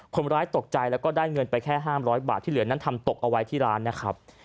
คนร้ายตกใจแล้วก็ได้เงินไปแค่๕๐๐บาทที่เหลือนั้นทำตกเอาไว้ที่ร้านนะครับ